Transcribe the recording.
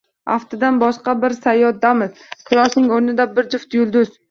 — Aftidan, boshqa bir sayyoradamiz, Quyoshning o‘rnida — bir juft yulduz.